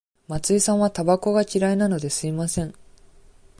松井さんはたばこが嫌いなので、吸いません。